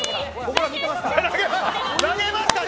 投げましたね。